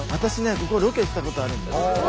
ここロケしたことあるんです。